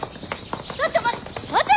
ちょっと待っ待って！